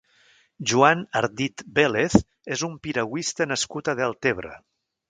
Joan Ardit Vélez és un piragüista nascut a Deltebre.